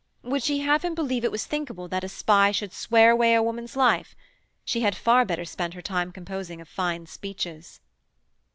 Would she have him believe it thinkable that a spy should swear away a woman's life? She had far better spend her time composing of fine speeches.